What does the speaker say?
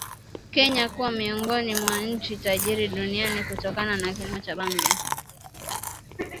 Kenya kuwa miongoni mwa nchi tajiri duniani kutokana na kilimo cha bangi